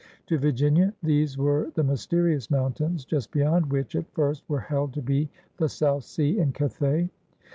To Virginia these were the mysterious mountains just beyond which, at first, were held to be the South Sea and Cathay.